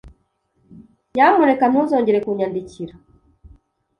Nyamuneka ntuzongere kunyandikira.